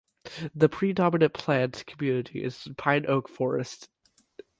The predominant plant community is pine–oak forest.